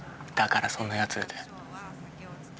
だからそんなやつれて。